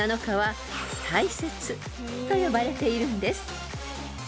呼ばれているんです］